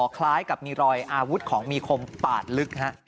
คล้ายกับมีรอยอาวุธของมีคมปาดลึก